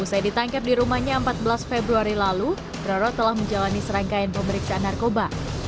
usai ditangkap di rumahnya empat belas februari lalu roro telah menjalani serangkaian pemeriksaan narkoba